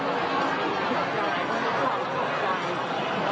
แต่ว่าเราอยากทำงานเยอะมากกว่าไม่อยากทำงานไม่เก่งที่